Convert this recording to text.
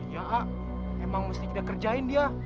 ya a emang mesti kita kerjain dia